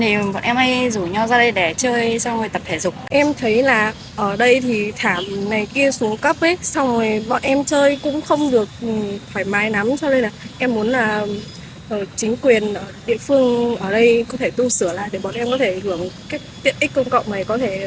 em muốn là chính quyền địa phương ở đây có thể tu sửa lại để bọn em có thể hưởng tiện ích công cộng này có thể